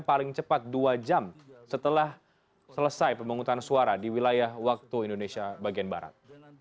paling cepat dua jam setelah selesai pemungutan suara di wilayah waktu indonesia bagian barat